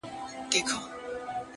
تا ولي په مسکا کي قهر وخندوئ اور ته،